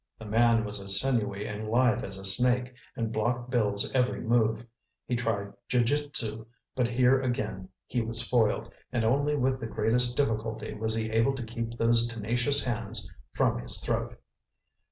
The man was as sinewy and lithe as a snake, and blocked Bill's every move. He tried jiu jitsu, but here again he was foiled; and only with the greatest difficulty was he able to keep those tenacious hands from his throat.